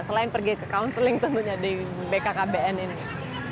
selain pergi ke counseling tentunya di bkkbn ini